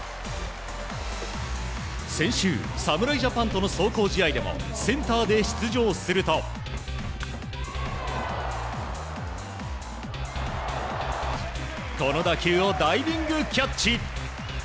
先週、侍ジャパンとの壮行試合でもセンターで出場するとこの打球をダイビングキャッチ。